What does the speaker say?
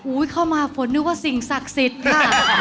เข้ามาฝนนึกว่าสิ่งศักดิ์สิทธิ์ค่ะ